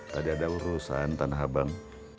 tadi ada urusan tanah abang